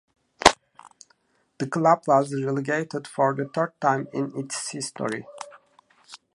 The club was relegated for the third time in its history.